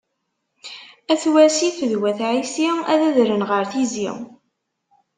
At Wasif d Wat Ɛisi ad adren ɣer Tizi..